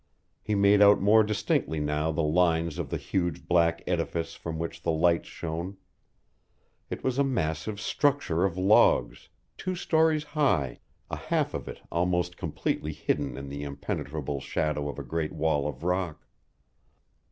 He made out more distinctly now the lines of the huge black edifice from which the lights shone. It was a massive structure of logs, two stories high, a half of it almost completely hidden in the impenetrable shadow of a great wall of rock.